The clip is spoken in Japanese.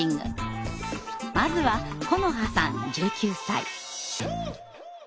まずはこのはさん１９歳。